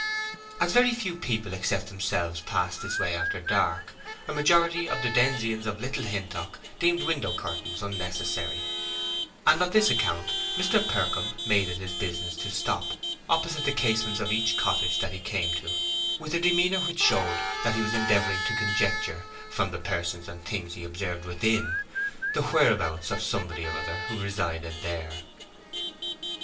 As very few people except themselves passed this way after dark, a majority of the denizens of Little Hintock deemed window curtains unnecessary; and on this account Mr. Percombe made it his business to stop opposite the casements of each cottage that he came to, with a demeanor which showed that he was endeavoring to conjecture, from the persons and things he observed within, the whereabouts of somebody or other who resided here.